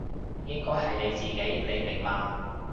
應該係你自己，你明嘛？